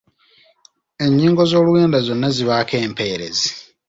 Ennyingo z’Oluganda zonna zibaako empeerezi.